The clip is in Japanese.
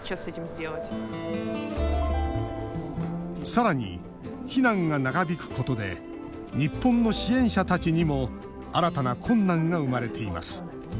さらに、避難が長引くことで日本の支援者たちにも新たな困難が生まれています。